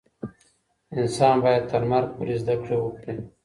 انسان باید تر مرګ پورې زده کړه وکړي.